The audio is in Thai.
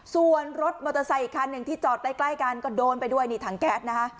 ส่วนรถมอเตอร์ไซค์อีกคันหนึ่งที่จอดใกล้กันก็โดนไปด้วยนี่ถังแก๊สนะฮะ